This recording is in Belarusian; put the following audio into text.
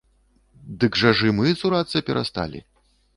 Дык жа ж і мы цурацца перасталі.